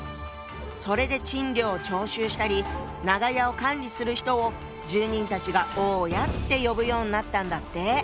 それで賃料を徴収したり長屋を管理する人を住人たちが「大家」って呼ぶようになったんだって。